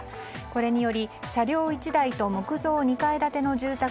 これにより車両１台と木造２階建ての住宅